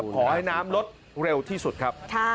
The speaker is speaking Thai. ขอให้น้ำลดเร็วที่สุดครับ